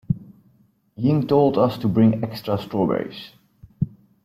Ying told us to bring extra strawberries.